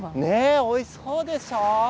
おいしそうでしょう。